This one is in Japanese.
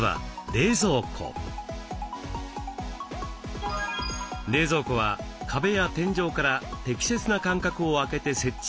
冷蔵庫は壁や天井から適切な間隔を空けて設置することをオススメします。